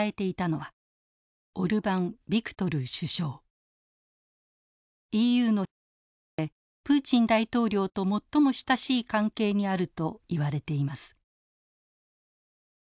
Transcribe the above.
ＥＵの首脳の中でプーチン大統領と最も親しい関係にあるといわれています。